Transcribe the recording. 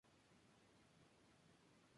Su vida artística comenzó en Telecaribe.